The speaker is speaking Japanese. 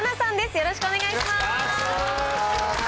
よろしくお願いします。